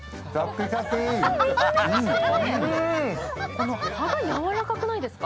この葉がやわらかくないですか？